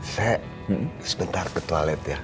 saya sebentar ke toilet ya